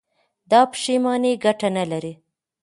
دا پښېماني گټه نه لري.